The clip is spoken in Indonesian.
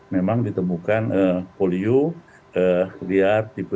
memang ditemukan polio liar tipe